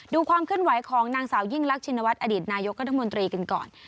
ดูความขึ้นไหวของนางสาวยิ่งลักษณวัตรอดีตนายกกฎมนตรีกันก่อน